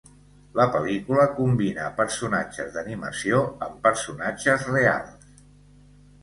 La pel·lícula combina personatges d'animació amb personatges reals.